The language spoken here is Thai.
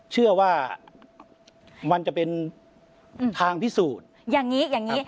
เชื่อว่ามันจะเป็นทางพิสูจน์อย่างนี้อย่างนี้